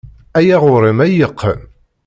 Aya ɣer-m ay yeqqen.